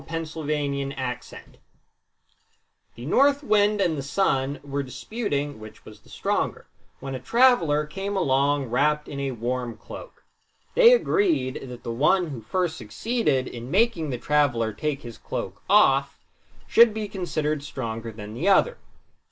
Orthographic version The North Wind and the Sun were disputing which was the stronger, when a traveler came along wrapped in a warm cloak. They agreed that the one who first succeeded in making the traveler take his cloak off should be considered stronger than the other.